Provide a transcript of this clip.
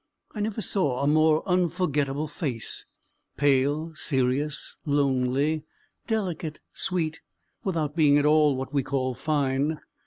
I never saw a more unforgettable face pale, serious, lonely, delicate, sweet, without being at all what we call fine.